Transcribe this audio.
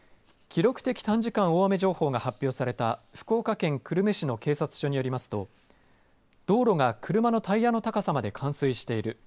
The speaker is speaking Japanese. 記録的短時間大雨情報が発表された福岡県久留米市の警察署によりますと道路が車のタイヤの高さまで冠水している。